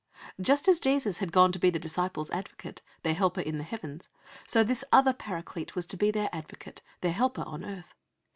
Just as Jesus had gone to be the disciples' Advocate, their Helper in the Heavens, so this other Paraclete was to be their Advocate, their Helper on earth.